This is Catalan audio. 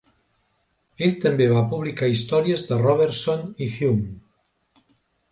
Ell també va publicar històries de Robertson i Hume.